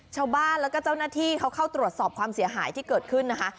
ชาวบ้านแล้วก็เจ้าหน้าที่เขาเข้าตรวจสอบความเสียหายที่เกิดขึ้นนะคะ